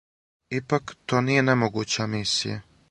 Ипак, то није немогућа мисија.